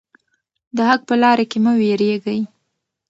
د حق په لاره کې مه ویریږئ.